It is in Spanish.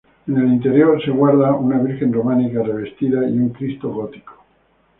En el interior se guarda una virgen románica revestida y un cristo gótico.